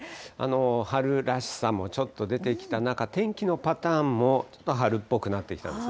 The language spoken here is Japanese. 春らしさもちょっと出てきた中、天気のパターンも、ちょっと春っぽくなってきたんですね。